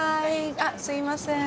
あっすいません。